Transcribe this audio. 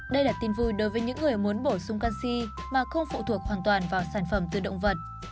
đây là tin vui đối với những người muốn bổ sung canxi mà không phụ thuộc hoàn toàn vào sản phẩm từ động vật